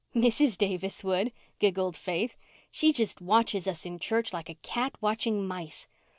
"Mrs. Davis would," giggled Faith. "She just watches us in church like a cat watching mice.